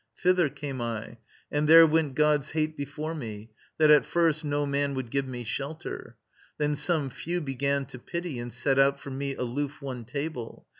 Thither came I; and there went God's hate before me, that at first no man Would give me shelter. Then some few began To pity, and set out for me aloof One table.